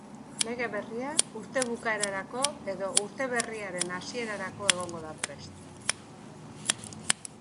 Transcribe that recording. Lege berria urte bukaerarako edo urte berriaren hasierarako egongo da prest.